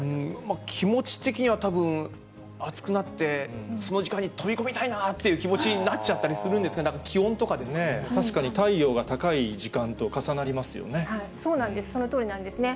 気持ち的にはたぶん、暑くなって、その時間に飛び込みたいなっていう気持ちになっちゃったりするん確かに、太陽が高い時間と重そうなんです、そのとおりなんですよね。